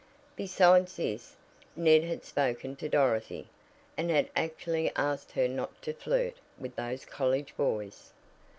Besides this, Ned had spoken to Dorothy, and had actually asked her not to "flirt" with those college boys!